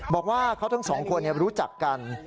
บอกว่าเขาทั้งสองคนรู้จักกัน